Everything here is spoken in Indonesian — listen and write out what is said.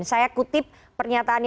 saya kutip pernyataannya